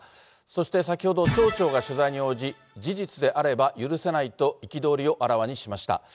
そして、先ほど町長が取材に応じ、事実であれば許せないと、憤りをあらわにしました。